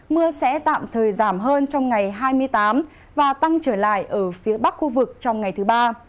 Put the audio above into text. mưa sẽ tạm thời giảm hơn trong ngày hai mươi tám và tăng trở lại ở phía bắc khu vực trong ngày thứ ba